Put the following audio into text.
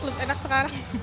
jauh sih enak sekarang